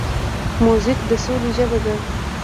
موزیک د سولې ژبه ده.